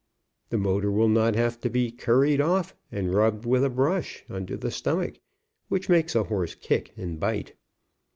The motor will not have to be curried off and rubbed with a brush, under the stom ach, which makes a horse kick and bite.